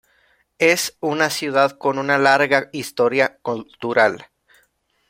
Es una ciudad con una larga historia cultural.